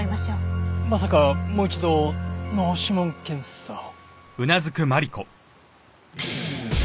まさかもう一度脳指紋検査を？